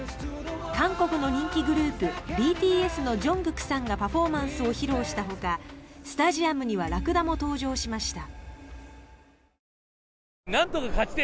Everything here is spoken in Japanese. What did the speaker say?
韓国の人気グループ、ＢＴＳのＪＵＮＧＫＯＯＫさんがパフォーマンスを披露したほかスタジアムにはラクダも登場しました。